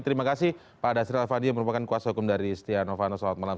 terima kasih pak dasri al fadiyah merupakan kuasa hukum dari istihano fano salat malam